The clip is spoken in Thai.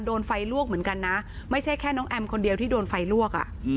โดนไฟลวกเหมือนกันนะไม่ใช่แค่น้องแอมคนเดียวที่โดนไฟลวก